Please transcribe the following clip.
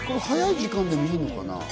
早い時間でもいいのかな？